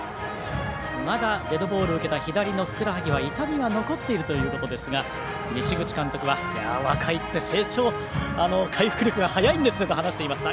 まだデッドボールを受けた左のふくらはぎには痛みが残っているということですが西口監督は若いって成長、回復力が速いんですねと話していました。